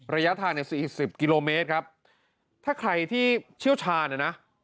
ระยะทาง๔๐กิโลเมทรครับถ้าใครที่เชียวชาญนะนะ